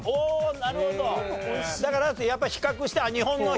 なるほど。